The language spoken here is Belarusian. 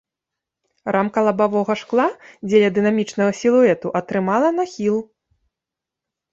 Рамка лабавога шкла дзеля дынамічнага сілуэту атрымала нахіл.